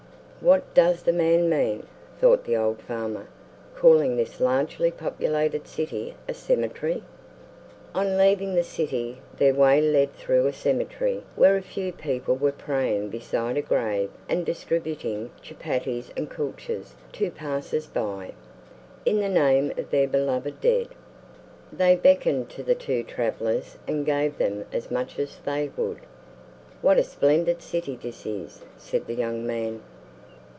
"What does the man mean," thought the old farmer, "calling this largely populated city a cemetery?" On leaving the city their way led through a cemetery where a few people were praying beside a grave and distributing chupatties and kulchas to Passers by, in the name of their beloved dead. They beckoned to the two travelers and gave them as much as they would. "What a splendid city this is!" said the young man.